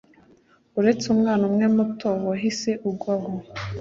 uretse umwana umwe muto wahise ugwa aho